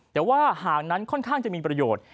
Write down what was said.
แต่ว่าห่างนั้นค่อนข้างจะมีประโยชน์